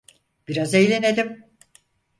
Biraz eğlenelim!